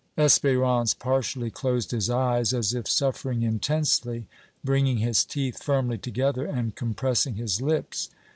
Espérance partially closed his eyes as if suffering intensely, bringing his teeth firmly together and compressing his lips.